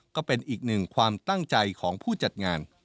ก็เป็นอีกหนึ่งความตั้งใจของผู้จัดงาน